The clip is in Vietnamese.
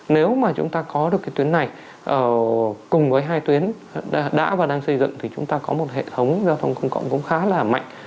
nếu mà chúng ta có được cái tuyến này cùng với hai tuyến đã và đang xây dựng thì chúng ta có một hệ thống giao thông công cộng cũng khá là mạnh